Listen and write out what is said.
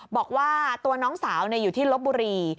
บอกว่าตัวน้องสาวอยู่ที่ลบบุรี